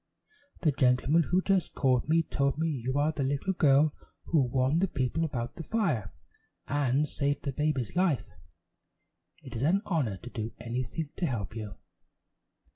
"The gentleman who just called me told me you are the little girl who warned the people about the fire, and saved the baby's life. It is an honor to do anything to help you."